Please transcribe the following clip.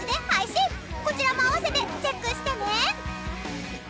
こちらも併せてチェックしてね！